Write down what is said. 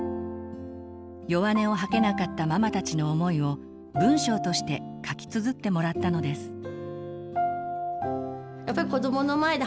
弱音を吐けなかったママたちの思いを文章として書きつづってもらったのです。